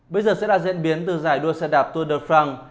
bây giờ sẽ là diễn biến từ giải đua xe đạp tour de france